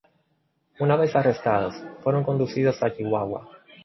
Una vez arrestados fueron conducidos a Chihuahua.